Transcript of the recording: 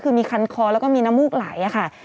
คือมีคันคอแล้วก็มีน้ำมูกไหลค่ะ